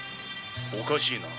おかしいな。